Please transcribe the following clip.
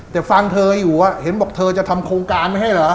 แต่ฟังเธออยู่เห็นบอกเธอจะทำโครงการไม่ให้เหรอ